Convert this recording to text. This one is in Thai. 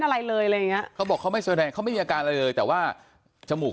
อะไรเลยเลยเขาบอกเขาไม่แสดงเขาไม่มีอาการเลยแต่ว่าจมูก